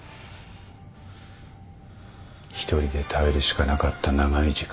一人で耐えるしかなかった長い時間。